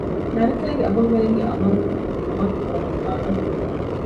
ނަރަކައިގެ އަހުލުވެރިންގެ ޢަމަލުން ޢަމަލު ކުރަމުން ދާނެ